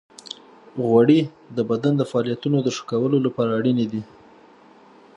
غوړې د بدن د فعالیتونو د ښه کولو لپاره اړینې دي.